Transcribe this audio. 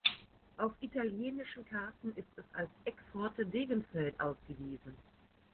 Auf italienischen Karten ist es als "„ex Forte Degenfeld“" ausgewiesen.